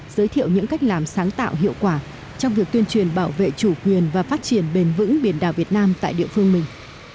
giới thiệu những cách làm sáng tạo hiệu quả trong việc tuyên truyền bảo vệ chủ quyền và phát triển bền vững biển đảo việt nam tại địa phương mình